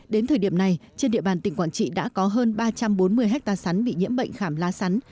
đến thời điểm này trên địa bàn tỉnh quảng trị đã có hơn ba trăm bốn mươi hectare sắn bị nhiễm bệnh khảm lá sắn